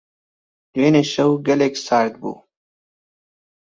دوێنێ شەو گەلێک سارد بوو.